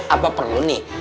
apa perlu nih